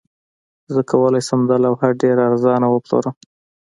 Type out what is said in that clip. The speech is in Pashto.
زه کولی شم دا لوحه ډیره ارزانه وپلورم